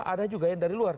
ada juga yang dari luar